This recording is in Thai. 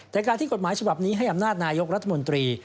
แต่การที่กฎหมายฉบับนี้ให้อำนาจนายกรัฐมนตรี